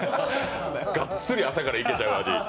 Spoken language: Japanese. がっつり朝からいけちゃう味。